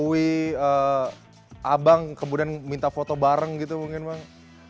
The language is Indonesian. apakah itu karena abang kemudian minta foto bareng gitu mungkin bang